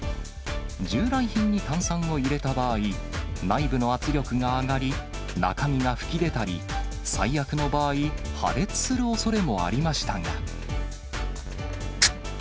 従来品に炭酸を入れた場合、内部の圧力が上がり、中身が吹き出たり、最悪の場合、破裂するおそれもありましたが。